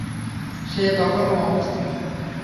সে তখনো অমুসলিম।